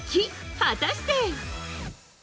果たして。